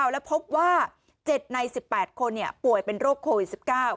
แล้วพบว่า๗ใน๑๘คนป่วยเป็นโรคโควิด๑๙